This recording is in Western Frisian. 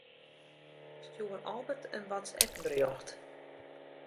Stjoer Albert in WhatsApp-berjocht.